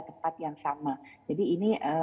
tempat yang sama jadi ini